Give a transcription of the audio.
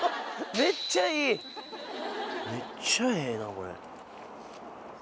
めっちゃええなこれ。